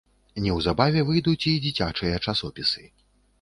Неўзабаве выйдуць і дзіцячыя часопісы.